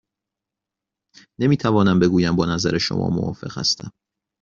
نمی توانم بگویم با نظر شما موافق هستم.